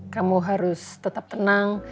kamu harus tetap tenang